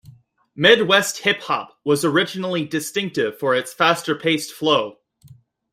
Midwest Hip Hop was originally distinctive for its faster-paced flow.